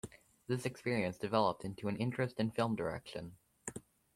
This experience developed into an interest in film direction.